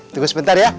tunggu sebentar ya